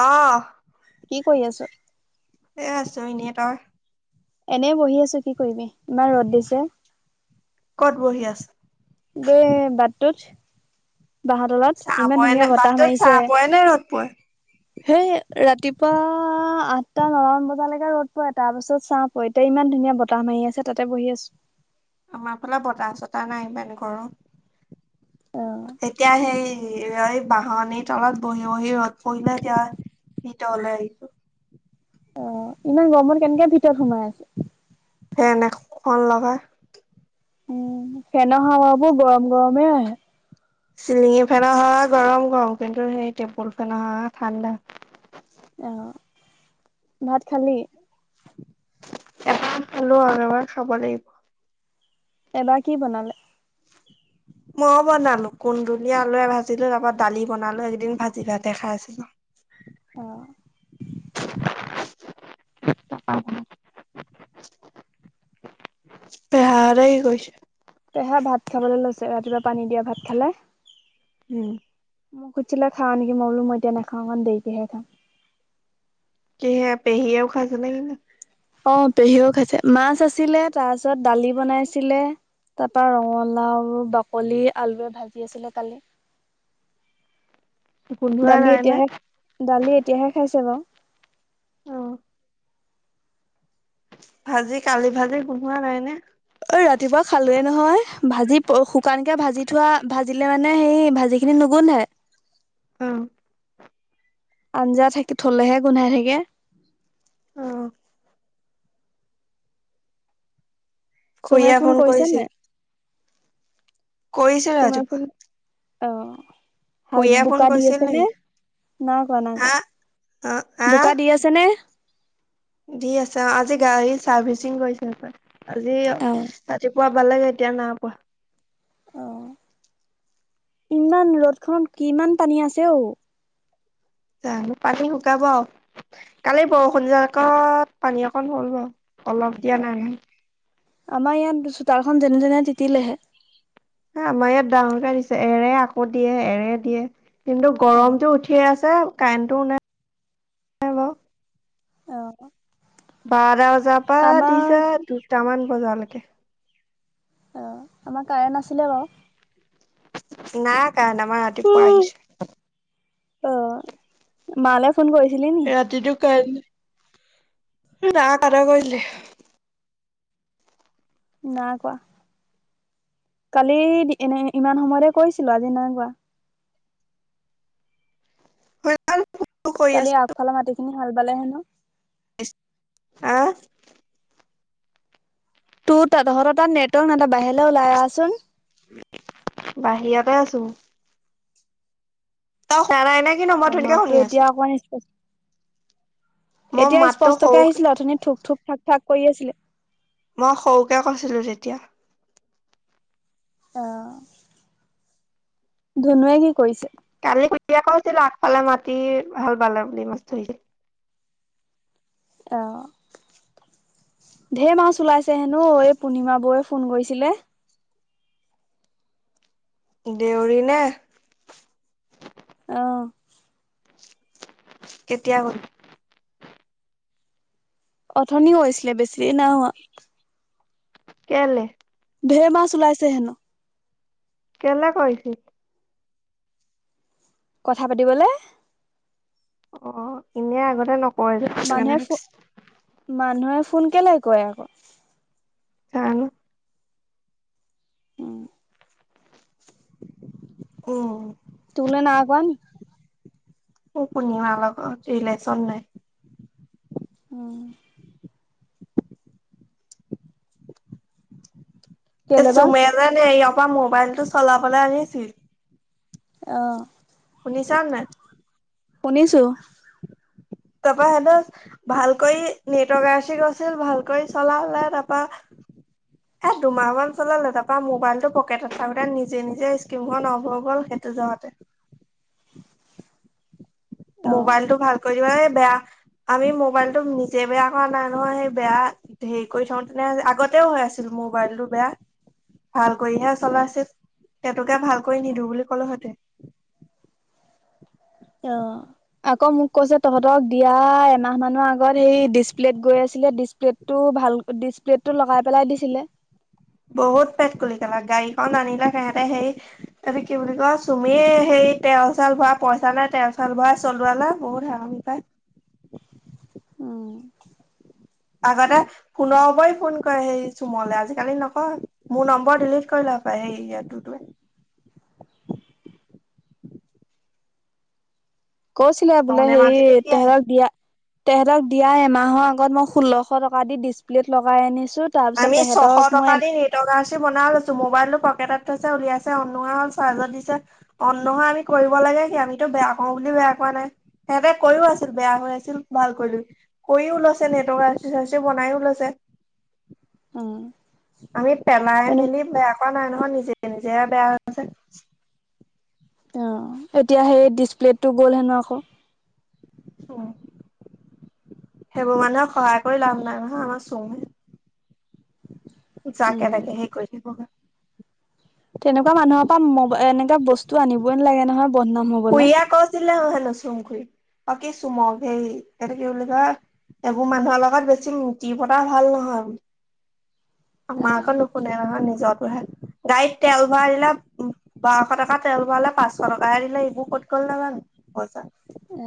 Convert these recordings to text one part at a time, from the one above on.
অহ কি কৰি আছ? এয় ছয়নি এ তৰ? এনে বহি আছো কি কৰিবি ইমান ৰ'দ দিছে। ক'ত বহি আছ দেই বাটটোত বাঁহ তলত চাহ ইমান পৰে নে ধুনীয়া বতাহ বাটত চাহ মাৰিছে। পৰে নে ৰ'দ পৰে হেই ৰাতিপুৱা আঠটা নটামান বজালৈকে ৰ'দ পৰে তাৰ পাছত চাহ পৰে এতিয়া ইমান ইমান ধুনীয়া বতাহ মাৰি আছে তাতে বহি আছো। আমাৰ ফালে বতাহ চতাহ নাই ইমান গৰম অ এতিয়া সেই এ এই বাহনিৰ তলত বহি বহি ৰ'দ পৰিলে এতিয়া ভিতৰলে আহিছো অ ইমান গৰমৰ কেনেকে ভিতৰত সোমাই আছে? ফেন এখন লগাই উম ফেন হাৱাবোৰ গৰম গৰমে আহে। চিলিঙি ফেনৰ হাৱা গৰম গৰম কিন্তু সেই টেবুল ফেনৰ হাৱা ঠাণ্ডা। অ ভাত খালি? এবাৰ খালো আৰু এবাৰ খা'ব লাগিব। এবাৰ কি বনালে? মই বনালো কুন্দুলি আলুৱে ভাজিলো তাপা দালি বনালো একেদিন ভাজি ভাতে খাই আছিলো। অহ। হ [unintelligible] পেহা হতে কি কৰিছে? পেহা ভাত খাবলৈ লৈছে ৰাতিপুৱা পানী দিয়া ভাত খালে। উম। মোক সুধিছিলে খাওঁ নিকি মই বোলো মই এতিয়া নাখাওঁ অকণ দেৰিকেহে খাম। কিহে পেহিও খাইছে নিকি বাও অ পেহীয়েও খাইছে মাছ আছিলে, তাৰ পিছত দালি বনাইছিলে, তাপা ৰঙালাও বাকলি আলুৱে ভাজি আছিলে কালি গোন্ধোৱা দালি নাই নে? এতিয়াহে দালি এতিয়াহে খাইছে বাও অহ। ভাজি কালি ভাজি গোন্ধোৱা নাই নে? অঐ ৰাতিপুৱা খালোৱেই নহয় ভাজি শুকানকে ভাজি থোৱা ভাজিলে মানে সেই ভাজি সেইখিনি নোগোন্ধাই। অ। আঞ্জা থাকি থলেহে গোন্ধাই থাকে। অহ। চুমে খুৰিয়া ফোন কৰিছে কৰিছিল? নাই কৰিছিল চুমে ফোন ৰাতিপুৱা অ হাল খুৰীয়ে ফোন বোকা দি কৰিছিল আছে নে? নেকি? নাই কোৱা নাই হা কোৱা। অ আহ বোকা দি আছে নে? দি আছে অ আজি গাড়ী চাৰ্ভিচিং কৰিছে সপাই। আজি অ ৰাতিপুৱা পালেগে এতিয়া না পোৱা। অহ ইমান ৰ'দখনত কিমান পানী আছে অঔ। যানো পানী শুকাব আও। কালি বৰষুণ জাক'ত পানী অকণ হ'ল বাও অলপ দিয়া অ নাই ন? আমাৰ ইয়াত চোতালখন যেনে তেনে তিতিলেহে। আমাৰ ইয়াত ডাঙৰকে দিছে এৰে আকৌ দিয়ে এৰে দিয়ে। কিন্তু গৰমটো উঠিয়ে আছে কাৰেণ্টটোও নাই নাই বাও। অহ। বাৰটা বজাৰ পৰা দিছে দুটামান বজালেকে অ আমাৰ কাৰেণ্ট আছিলে বাৰু নাই কাৰেন্ট আমাৰ ৰাতিপুৱা আহিছে। অ মালে ফোন কৰিছিলি নি? কাৰেন ৰা কাটা কৰি দিলে না কোৱা কালি এনে ইমান সময়তে কৈছিলো আজি নাই কোৱা হয় কালি আগফালৰ মাটি খিনি হাল বালে হেনো আহ তো তাত তহঁতৰ তাত নেটৱৰ্ক নাই বাহিৰলৈ ওলাই আহচোন। টো। তই শুনা নাই নেক অ মাততো এতিয়া অকণ ইচ পচ মই এতিয়া মাতটো স্পষ্টকে সৰু আহিছিলে অথনি থুক থুক থাক থাক কৰি আছিলে। মই সৰুকে কৈছিলো তেতিয়া। অ ধুনুৱে কি কৰিছে? কালি খুড়ীয়ে আগফালে মাটি শাল বালে বুলি মাছ ধৰিছিল। অ। ঢেৰ মাছ ওলাইছে হেনো এই পূৰ্ণিমা বৌৱে ফোন কৰিছিলে। দেউৰী নে? অহ কেতিয়া হ'ল? অথনি হৈছিলে বেছি দেই হোৱা। কেলে ঢেৰ মাছ ওলাইছে হেনো। কেলে কৈছিল? কথা পাতিবলে অ এনেই আগতে নকৰে যে সেইটো মানুহে কাৰণে ফো সুধিছোঁ। মানুহে ফোন কেলে কয় আক জানোঁ উম অ তুলে নাই কৰা নি? অ পূৰ্ণিমা লগত ৰেলেচন নাই। ওম। এ কেলে বা চুমে জানে ইয়াপা মোবাইল টো চলাবলে আনিছিল অহ শুনিছা নাই? শুনিছোঁ। তাপা হেতে ভালকৈ নেটৱৰ্ক [unintelligible] ভালকৈ চলে তা পা এ দুমাহ মান চলাল তাপা মোবাইলটো পকেটত থাকোতে নিজে নিজে স্কিমখন অফ হৈ গ'ল। সিটো যাওঁতে। [inaudible] অ মোবাইলটো ভাল কৰি দিবলে বেয়া। আমি মোবাইল টো নিজে বেয়া কৰা নাই নহয়, সেই বেয়া হেৰি কৰি থওঁ তেনে আগতেও হৈ আছিল। মোবাইল টো বেয়া। [inaudible] ভাল কৰিহে চলাইচিল সেতোকে ভাল কৰি নিদো বুলি কলো হতে। অ আকৌ মোক কৈছে তহঁতক দিয়া এমাহ মানৰ আগত সেই ডিচপ্লেত গৈ আছ- ডিচপ্লেটো ভাল ডিচ প্লেটো লগাই পেলাই দিছিলে। বহুত পেট কুলিকেলা গাড়ীখন আনিলে সিহতে সেই কি বুলি কয় চুমিয়ে সেই তেল চেল ভৱাই পইচা নাই তেল চেল ভৰোৱাই চলোৱালে বহুত সাহনি পাই। [inaudible] উম আগতে ফোনৰ ওপৰি ফোন কৰে সেই চুমলে আজিকালি নকয় মোৰ নম্বৰ ডিলিট কৰিলে। পাই সেই ইয়াতোতোৱে [inaudible] কৈছিলে বোলে তনে হে মাজুলি কি আ তেহেৰক দিয়া তেঁতক দিয়া এমাহৰ আগত মই ষোল্লশ টকা দি ডিচপ্লেত লগাই আনিছ- আমি ছশ টকা দি নেটৱৰ্ক আৰ চি বনাই লৈছো মোবাইল টো পকেটত উলিয়াইছে অন নোহোৱা হল চাৰ্জত দিছে অন নহয় আমি কৰিব লাগে কি আমিতো বেয়া কও বুলি বেয়া কৰা নাই সিহঁতে কইও আছিল বেয়া হৈ আছিল ভাল কৰি লবি কৰিও লৈছে নেটৱৰ্ক আৰচি চাৰ্চি বনাই ও লৈছে উম আমি পেলাই মেলি বেয়া কৰা নাই নহয় নিজে নিজেহে বেয়া হৈছে উম এতিয়া সেই ডিচপ্লেটটো গ'ল হেনো আকৌ অ সেইবোৰ মানুহক সহায় কৰি লাভ নাই নহয় আমাৰ চুমু জাকে উম তাকে সেই কৰি দিব সি তেনেকুৱা মানুহৰ পৰা মবা এনেকা বস্তু আনিবই নালাগে নহয় বদনাম হবলে খুড়ীয়ে কৈছিলে হেনো চুম খুড়ীক অ কি চুমক সেই এইটো কি বুলি কয় এইবোৰ মানুহৰ লগত বেছি মিতি পতা ভাল নহয় [unintelligible] আমাৰ আক নুশুনে নহয় নিজতোহে গাড়ীত তেল ভৰাই দিলে বাৰশ টকা তেল ভৰা লে পাঁচশ টকা হে দিলে ইবোৰ কত গ'ল নাজানো পইচা অ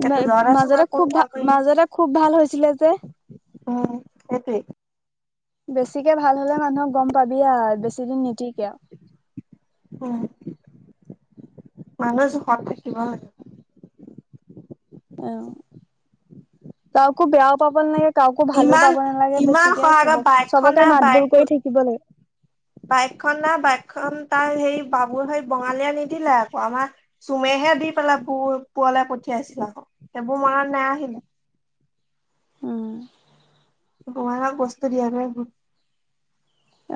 সেইটো মেই জহতে চবে মাজতে ফোন খুব ভাল কৰি নিদিয়ে। মাজতে খুব ভাল হৈছিলে যে উম সেইটোৱেই বেছিকে ভাল হলে মানুহক গম পাবি আৱ বেছিকে দিন নিটিকে উম মানুহ জোখত থাকিব লাগে উম কাকো বেয়াও পাব নালাগে কাকো ভালো ইমান পাব নালাগে ইমান বেছিকে সহায়ত চবক বাইকখন চবকে নাই মাতবোল বাইক কৰি থাকিব লাগে বাইকখন না বাইকখন তাৰ হেই বাবুৰ সেই বঙালীয়ে নিদিলে আকৌ আমাৰ চুমেহে দি পেলাই পু পুৱলে পঠিয়াই পঠিয়াইছিলে আক সেইবোৰ মনত নাই আহেনো উম বঙাইগাক বস্তু দিয়া নাই মই।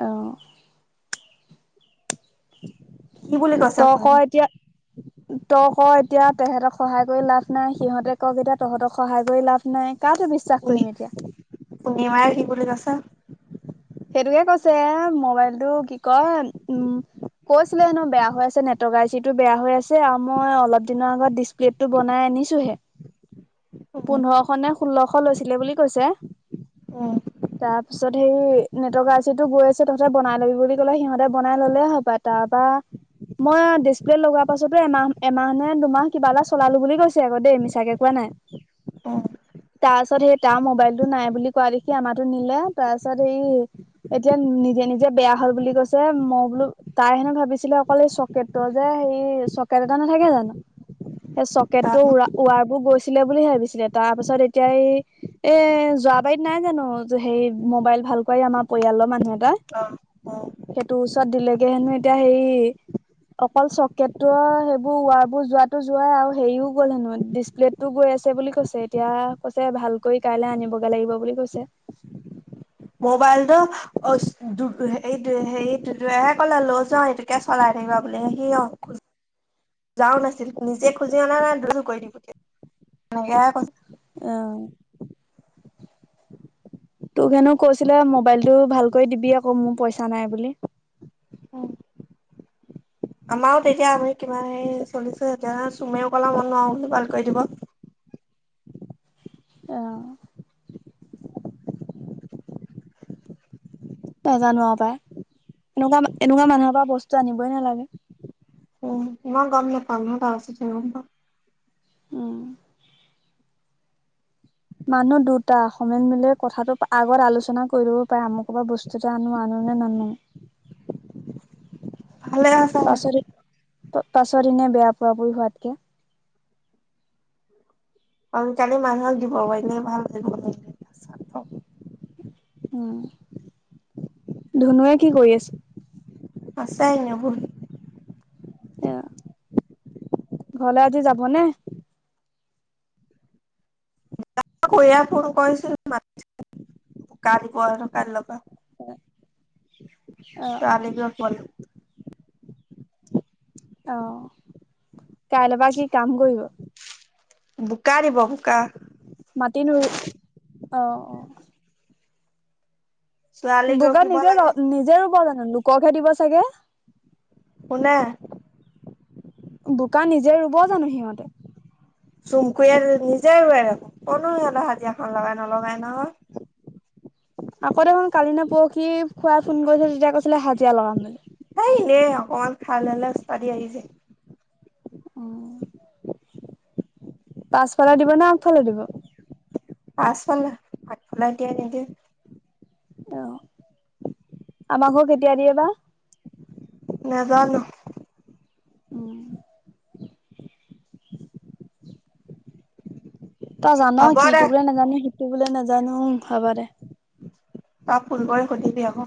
অহ [inaudible] কৈছে তই ক পুনি এতিয়া তই ক এতিয়া হিহঁতক সহায় কৰি লাভ নাই সিহঁতে কওক এতিয়া তহঁতক সহায় কৰি লাভ নাই কা তো বিশ্বাস কৰিম এতিয়া পূনিমাই কি বুলি কৈছে সেইটোকে কৈছে মোবাইলটো কি কয় উম কৈছিলে হেনু বেয়া হৈ আছে নেটৱৰ্ক আৰ চি টো বেয়া হৈ আছে আৰু মই অলপ দিনৰ আগত ডিচপ্লেটতো বনাই আনিছোহে উম পোন্ধৰশ নে ষোল্লশ লৈছিলে বুলি কৈছে উম তাৰ পিছত হেৰি নেটৱৰ্ক আৰচিতো গৈ আছে তহতে বনাই ল'বি বুলি ক'লে সিহঁতে বনাই ললে হ'পাই তাপা মই ডিচপ্লে লগোৱা পাছতে এমাহ এমাহ নে দুমাহ কিবা এটা চলালো বুলি কৈছে আকৌ দেই মিছাকে কোৱা নাই অ তাৰ পাছত সেই তাৰ মোবাইলটো নাই বুলি কোৱা দেখি আমাতো নিলে তাৰ পিছত সেই এতিয়া নিজে নিজে বেয়া হল বুলি কৈছে মই বোলো তাই হেনে ভাবিছিলে অকলে চকে-ট যে চকেট এটা নাথাকে জানো সেই চকেট তাৰ টোৰ ৱাৰবোৰ গৈছে হোলে বুলি ভাবিছিলে তাৰপাছত এতিয়া এই এ জুৱাবাৰীত নাই জানো এ হেৰি মবাইল ভাল ভাল পাই আমাৰ পৰিয়ালৰ মানুহ এটা সেইটোৰ ওচৰত দিলেগে হেনো এতিয়া হে ই অকল চকেটো আও সেইবোৰ ৱাৰ বোৰ যোৱাতো যোৱাই আৰু হেৰিও গ'ল হেনো ডিচপ্লেট টো গৈ আছে বুলি কৈছে এতিয়া কৈছে ভাল কৰি কাইলে আনিবগে লাগিব বুলি কৈছে মোবাইলটো অ দু হেইটোৱে হেই তুতুয়েহে কলে লৈ যোৱা এইটোকে চলাই কিবা বুলে সি অংকুচ যাৱাও নাছিল নিজে খুজি অনা নাই দু কৰি দিব তেনেকেহে কৈছে অ তোক হেনো কৈছিলে মোবাইলটো ভালকৈ দিবি আকৌ মোৰ পইচা নাই বুলি। অ। আমাৰো তেতিয়া আমি কিমান হৰি চলিছো চুমেও ক'লে মই নোৱাও বুলি ভাল কৰি দিব। নাজানো আও পাই এনেকুৱা এনেকুৱা মানুহৰ পৰা বস্তু আনিবই নালাগে। ইমান গম নেপাওঁ [unintelligible] গম পাওঁ উম মানুহ দুটা সময়ত মিলে কথাটো আগত আলোচনা কৰিবও পাৰে অমুকৰ পৰা বস্তুটা আনো আন- আনো নে নানো। ভালে আছা? তাছত এনেই বেয়া পোৱা পুই হোৱাতকে। অন কালি মানুহক দিব ক এনেই ভাল দিব [unintelligible] উম ধুনুৱে কি কৰি আছ- আছে এনেই বহি। এয় ঘৰলে আজি যাব নে? খুড়ীয়ে ফোন কৰিছিল মাতিছিল গা দিব হেনে কাইলৈকে। এ চালিগ্ৰ ৰখিবলে অ কাইলৈ পৰা কি কাম কৰিব? বোকা দিব বোকা। মাটি নোৰোই অহ অ ছোৱালীক বোকাত ৰখিব নিজে য লাগে, নিজে ৰুব জানো লোককহে দিব চাগে। কোনে? বোকা নিজে ৰুব জানো সিহঁতে। চুমকুৱে নিজে ৰুৱে ক'ত নো সিহঁতৰ সাজিয়া খন লগাই নলগাই নহয়। আকৌ দেখোন কালি নে পুৰখি খুড়াই ফোন কৈছিলে তেতিয়া হাজিৰা লগাম বুলি। সেই এনেই অকনমান খাই ললে ওস্তাদি আহি যায়। উম। পাছফালে দিব নে আগফালে দিব। পাছফালে আগফালে এতিয়া নিদিয়ে। অহ আমাকো কেতিয়া দিয়ে বা। নাজানো। উম তই জান হ'ব কি দে ইটো বোলে নাজানো সিটো বোলে নাজানো হব দে। অ ফোন কৰি সুধিবি আক।